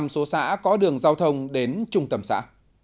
một trăm linh số xã có đường giao thông đến trung tâm xã